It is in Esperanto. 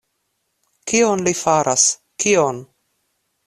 Kion li faras, kion?